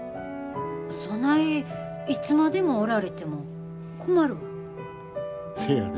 そないいつまでもおられても困るわ。